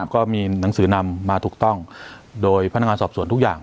ก็มีหนังสือนำมาถูกต้องโดยพนักงานสอบสวนทุกอย่าง